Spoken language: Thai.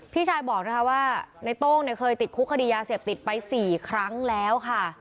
พี่ชายบอกนะคะว่าในโต้งเนี่ยเคยติดคุกคดียาเสพติดไป๔ครั้งแล้วค่ะ